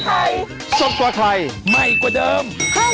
นางไม่พร้อม